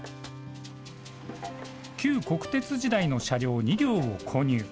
旧国鉄時代の車両２両を購入。